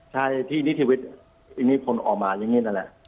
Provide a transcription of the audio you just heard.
ใช่ทีนี้ทีวิตออกมาอย่างงี้นั่นแหละ